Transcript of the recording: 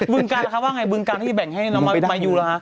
บึงกันค่ะว่าไงบึงกันที่แบ่งให้มาอยู่เหรอฮะ